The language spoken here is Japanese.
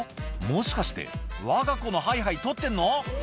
もしかしてわが子のハイハイ撮ってんの？